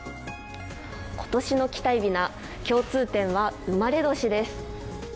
今年の期待びな、共通点は生まれ年です。